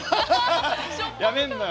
やめるのよ！